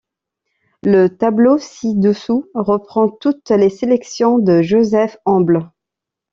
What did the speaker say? Le tableau ci-dessous reprend toutes les sélections de Joseph Homble.